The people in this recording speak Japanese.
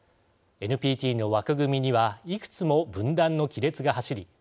ＮＰＴの枠組みにはいくつも分断の亀裂が走り